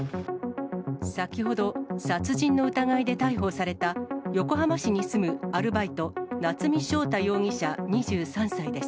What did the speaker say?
先ほど、殺人の疑いで逮捕された横浜市に住むアルバイト、夏見翔太容疑者２３歳です。